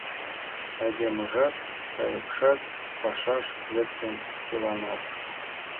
Айдемыжат, кайыкшат Пашаш лектыт чыланат;